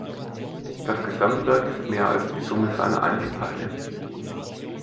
Das Gesamtwerk ist mehr als die Summe seiner Einzelteile.